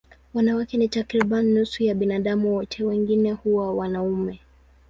Wanawake ni takriban nusu ya binadamu wote, wengine huwa wanaume.